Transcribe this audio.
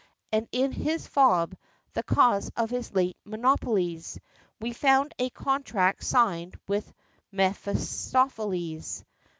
And in his fob, the cause of late monopolies, We found a contract signed with Mephistopheles!